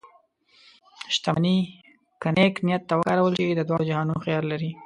شتمني که نیک نیت ته وکارول شي، د دواړو جهانونو خیر لري.